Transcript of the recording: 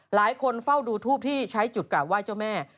หลายคนเฝ้าดูทูปที่ใช้จุดกลับไหว้เจ้าแม่